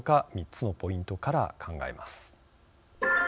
３つのポイントから考えます。